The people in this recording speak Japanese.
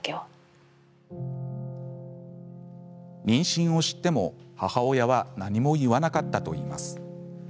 妊娠を知っても、母親は何も言わなかったといいます。